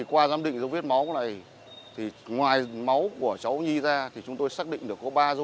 qua giám định đồ vết máu ngoài máu của nhóm nhì ra chúng tôi xác định được ba vết nạn